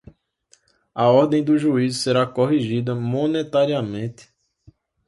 à ordem do juízo será corrigida monetariamente